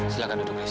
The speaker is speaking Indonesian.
silahkan duduk haris